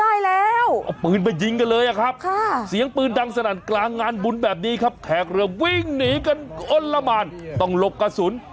นี่มันงานบวชงานบุญนึกว่ามีจุดประทัดเอาปืนไปยิงกันเลยครับครับแขกเรือวิ่งหนีกันอ้นละมันต้องหลบกระสุน